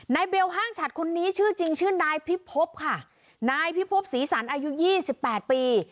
นายเบลห้างฉัดคนนี้ชื่อจริงชื่อนายพิภพค่ะนายพิภพศรีสรรอายุ๒๘ปี